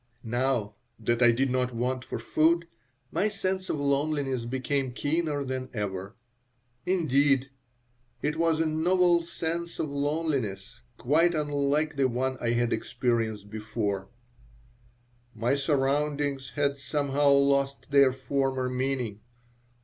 Now that I did not want for food, my sense of loneliness became keener than ever. Indeed, it was a novel sense of loneliness, quite unlike the one I had experienced before My surroundings had somehow lost their former meaning.